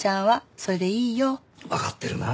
わかってるなあ。